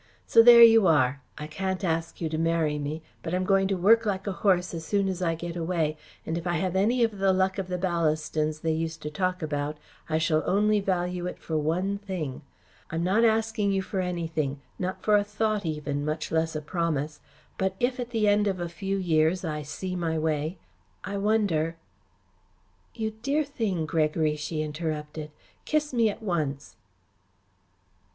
So there you are! I can't ask you to marry me, but I'm going to work like a horse as soon as I get away, and if I have any of the luck of the Ballastons they used to talk about, I shall only value it for one thing. I'm not asking you for anything not for a thought even, much less a promise but if at the end of a few years I see my way I wonder " "You dear thing, Gregory," she interrupted. "Kiss me at once."